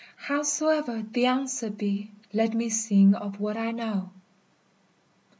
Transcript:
Howsoe'er the answer be, Let me sing of what I know.